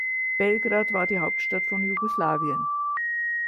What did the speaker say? Belgrad war die Hauptstadt von Jugoslawien.